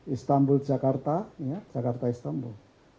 istanbul jakarta jakarta istanbul